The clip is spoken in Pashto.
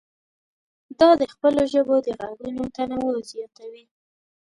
دا د خپلو ژبو د غږونو تنوع زیاتوي.